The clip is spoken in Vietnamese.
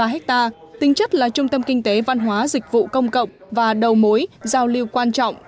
một mươi năm bốn mươi ba ha tính chất là trung tâm kinh tế văn hóa dịch vụ công cộng và đầu mối giao lưu quan trọng